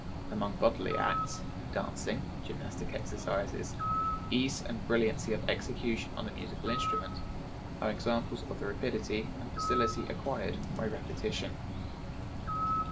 Among bodily acts, dancing, gymnastic exercises, ease and brilliancy of execution on a musical instrument, are examples of the rapidity and facility acquired by repetition.